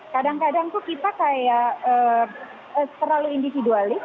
kadang kadang kita terlalu individualis